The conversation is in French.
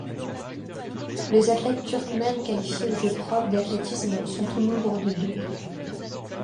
Les athlètes turkmènes qualifiés aux épreuves d'athlétisme sont au nombre de deux.